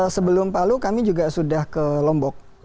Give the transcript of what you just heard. sebelum palu kami juga sudah ke lombok